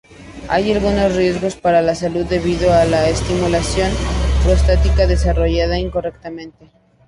Hay algunos riesgos para la salud debidos a la estimulación prostática desarrollada incorrectamente.